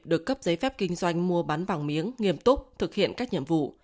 được cấp giấy phép kinh doanh mua bán vàng miếng nghiêm túc thực hiện các nhiệm vụ